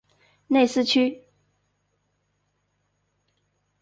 内斯屈。